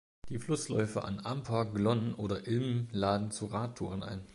Die Flussläufe an Amper, Glonn oder Ilm laden zu Radtouren ein.